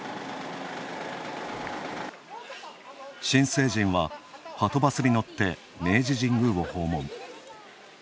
新成人は、はとバスに乗って明治神宮を訪問。